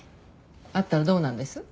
あったらどうなんです？